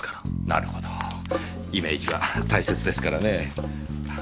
なるほどイメージは大切ですからね。